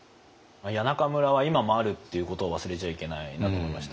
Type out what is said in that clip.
谷中村は今もあるっていうことを忘れちゃいけないなと思いました。